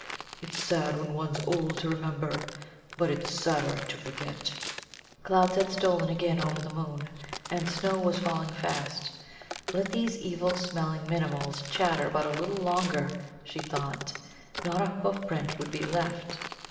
It's sad when one's old to remember, but it's sadder to forget." Clouds had stolen again over the moon, and snow was falling fast. Let these evil smelling Minimuls chatter but a little longer, she thought; not a hoof print would be left.